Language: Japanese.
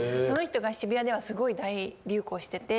その人が渋谷ではすごい大流行してて。